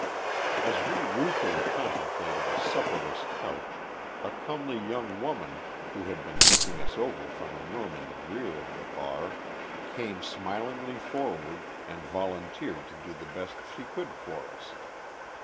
As we ruefully contemplated a supperless couch, a comely young woman, who had been looking us over from a room in the rear of the bar, came smilingly forward and volunteered to do the best she could for us.